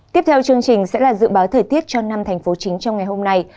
tiếp theo chương trình sẽ là dự báo thời tiết cho năm thành phố chính trong ngày hôm nay